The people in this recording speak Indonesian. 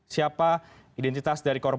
siapa identitas dari korban